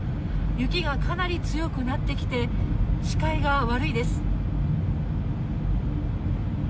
雪がかなり強くなってきて視界が悪いです。